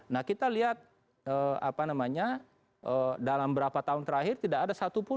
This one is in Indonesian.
nah kita lihat apa namanya dalam berapa tahun terakhir tidak ada satupun